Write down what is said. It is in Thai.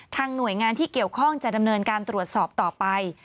หน่วยงานที่เกี่ยวข้องจะดำเนินการตรวจสอบต่อไป